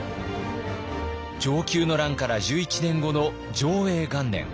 承久の乱から１１年後の貞永元年。